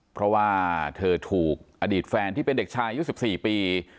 เพราะว่าเธอถูกอดีตแฟนที่เป็นเด็กชายอายุ๑๔ปี